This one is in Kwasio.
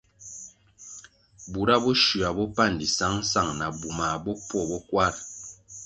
Bura bo shywua bopandi sangsang na bumah bopwo bo kwar.